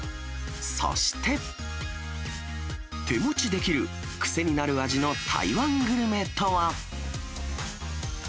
そして、手持ちできる癖になる味の台湾グルメとは。